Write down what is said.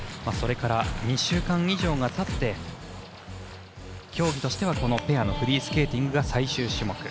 それから２週間以上がたって競技としては、このペアのフリースケーティングが最終種目。